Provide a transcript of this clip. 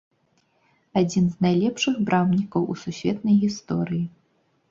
Адзін з найлепшых брамнікаў у сусветнай гісторыі.